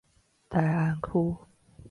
大安區